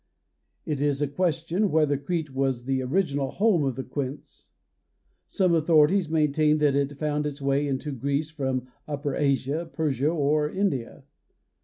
It is a question whether Crete was the original home of the quince. Some authorities maintain that it found its way into Greece from upper Asia, Persia, or India.